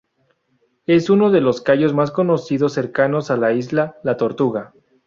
Es uno de los cayos más conocidos cercanos a la isla La Tortuga.